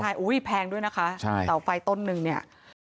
ใช่อุ้ยแพงด้วยนะคะใช่เสาไฟต้นหนึ่งเนี่ย